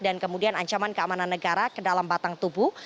dan kemudian ancaman keamanan negara ke dalam batang tubuh